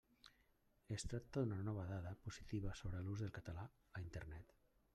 Es tracta d'una nova dada positiva sobre l'ús del català a Internet.